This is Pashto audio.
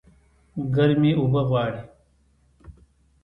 ګرمي اوبه غواړي